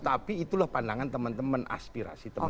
tapi itulah pandangan teman teman aspirasi teman teman